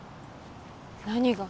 何が？